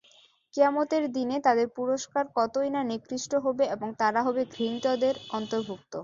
কিয়ামতের দিনে তাদের পুরস্কার কতই না নিকৃষ্ট হবে এবং তারা হবে ঘৃণিতদের অন্তর্ভুক্ত।